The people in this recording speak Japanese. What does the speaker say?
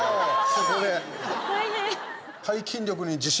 ここで。